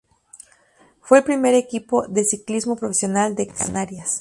Fue el primer equipo de ciclismo profesional de Canarias.